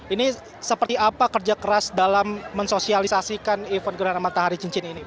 ini seperti apa kerja keras dalam mensosialisasikan event gerhana matahari cincin ini